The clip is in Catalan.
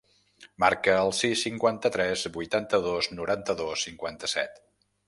Marca el sis, cinquanta-tres, vuitanta-dos, noranta-dos, cinquanta-set.